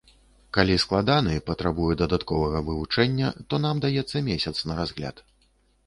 Калі складаны, патрабуе дадатковага вывучэння, то нам даецца месяц на разгляд.